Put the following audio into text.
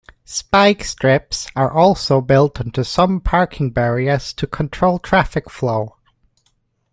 Spike strips are also built into some parking barriers to control traffic flow.